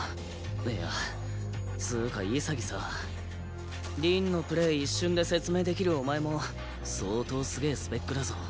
いやつうか潔さ凛のプレー一瞬で説明できるお前も相当すげえスペックだぞ。